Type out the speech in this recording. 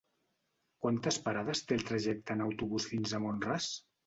Quantes parades té el trajecte en autobús fins a Mont-ras?